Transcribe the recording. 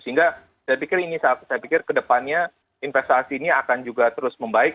sehingga saya pikir ini saya pikir kedepannya investasi ini akan juga terus membaik